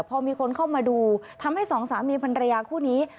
พอมีคนเข้ามาดูทำให้สองสามีภรรยาคู่นี้